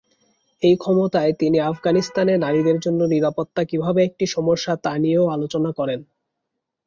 এই ক্ষমতায় তিনি আফগানিস্তানে নারীদের জন্য নিরাপত্তা কীভাবে একটি সমস্যা তা নিয়েও আলোচনা করেন।